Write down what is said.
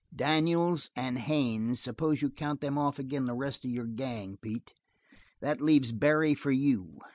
"Daniels and Haines, suppose you count them off agin' the rest of your gang, Pete. That leaves Barry for you."